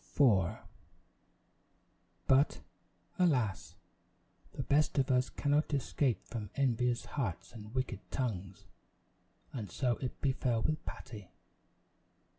Patty in Trouble But, alas! the best of us cannot escape from envious hearts and wicked tongues, and so it befell with Patty.